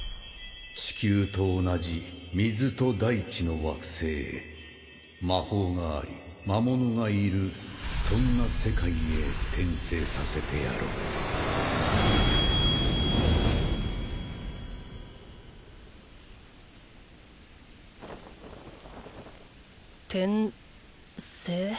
地球と同じ水と大地の惑星へ魔法があり魔物がいるそんな世界へ転生させてやろう転生？